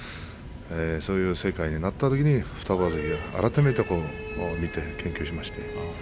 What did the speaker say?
そういう世界になったときに双葉山関を改めて見て研究しました。。